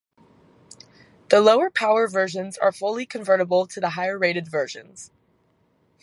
The lower power versions are fully convertible to the higher rated versions.